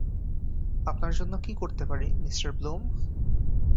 আপনার জন্য কি করতে পারি, মিঃ ব্লুম?